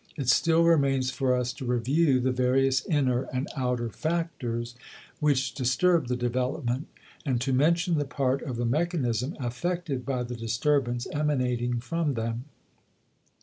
It still remains for us to review the various inner and outer factors which disturb the development, and to mention the part of the mechanism affected by the disturbance emanating from them.